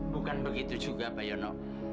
bukan begitu juga pak yono